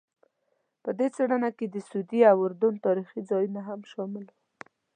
په دې څېړنه کې د سعودي او اردن تاریخي ځایونه هم شامل وو.